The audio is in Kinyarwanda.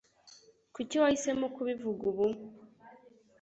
Kuki wahisemo kubivuga ubu?